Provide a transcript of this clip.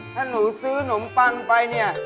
ถ้าหนูซื้อนมปันไปเนี่ย